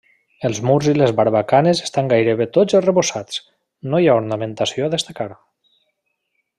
Els murs i les barbacanes estan gairebé tots arrebossats, no hi ha ornamentació a destacar.